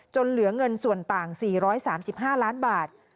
เหลือเงินส่วนต่าง๔๓๕ล้านบาท